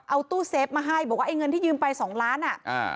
เอาตู้เซฟมาให้บอกว่าไอ้เงินที่ยืมไปสองล้านอ่ะอ่า